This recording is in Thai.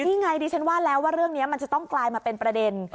นี่ไงดิฉันว่าแล้วว่าเรื่องนี้มันจะต้องกลายมาเป็นประเด็น